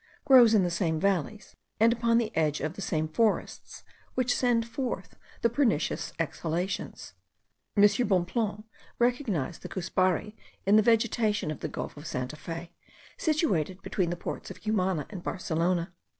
grows in the same valleys, and upon the edge of the same forests which send forth the pernicious exhalations. M. Bonpland recognised the cuspare in the vegetation of the gulf of Santa Fe, situated between the ports of Cumana and Barcelona.